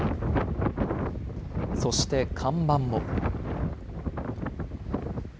そして看板も。